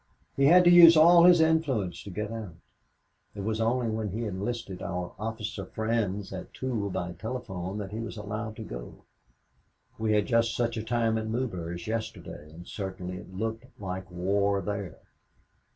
He had to use all his influence to get out. It was only when he enlisted our officer friends at Toul by telephone that he was allowed to go. We had just such a time at Maubeuge yesterday and certainly it looked like war there.